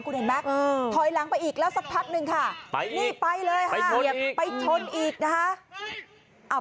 คุณเห็นไหมถอยหลังไปอีกแล้วสักพักหนึ่งค่ะ